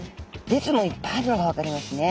列もいっぱいあるのが分かりますね。